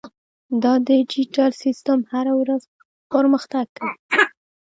دا ډیجیټل سیستم هره ورځ پرمختګ کوي.